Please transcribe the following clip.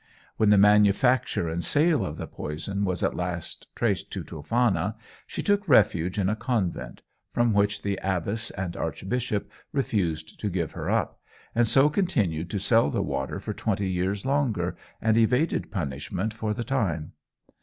When the manufacture and sale of the poison was at last traced to Toffana, she took refuge in a convent, from which the abbess and archbishop refused to give her up, and so continued to sell the water for twenty years longer, and evaded punishment for the time.